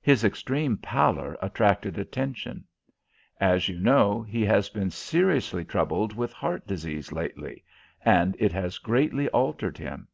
His extreme pallor attracted attention. As you know, he has been seriously troubled with heart disease lately, and it has greatly altered him."